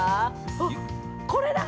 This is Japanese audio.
あっ、これだ！